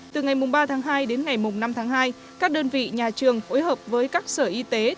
từ ngày ba tháng hai đến ngày năm tháng hai các đơn vị nhà trường hối hợp với các sở y tế